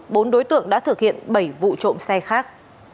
bốn đối tượng đã thực hiện bảy vụ trộm xe khác